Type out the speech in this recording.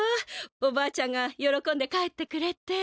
おばあちゃんがよろこんで帰ってくれて。